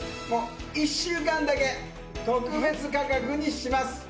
もう１週間だけ特別価格にします